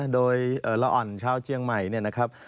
โดยละอ่อนชาวเชียงใหม่เนี่ยนะครับ